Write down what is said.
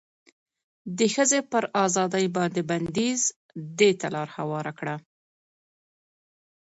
د ښځې پر ازادې باندې بنديز دې ته لار هواره کړه